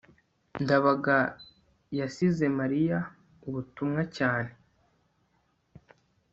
ndabaga yasize mariya ubutumwa cyane